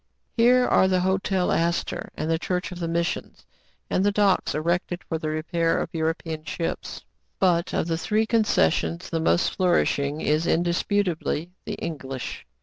Here are the Hotel Astor, and the Church of the Missions, and the docks erected for the repair of European ships. ' But, of. the three concessions, the most flourish ing is indisputably the English.